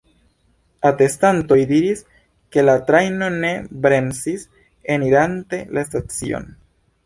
Atestantoj diris, ke la trajno ne bremsis enirante la stacion.